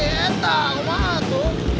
ya entah kemana atuh